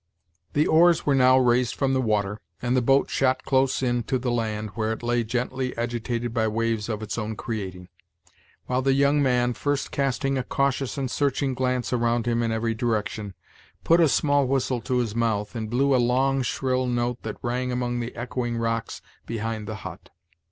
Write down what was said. The oars were now raised from the water, and the boat shot close in to the land, where it lay gently agitated by waves of its own creating, while the young man, first casting a cautious and searching glance around him in every direction, put a small whistle to his mouth, and blew a long, shrill note that rang among the echoing rocks behind the hut.